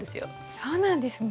そうなんですね。